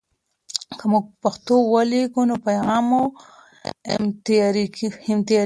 که موږ په پښتو ولیکو، نو پیغام مو امانتاري وي.